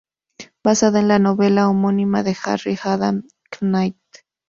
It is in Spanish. Basada en la novela homónima de Harry Adam Knight.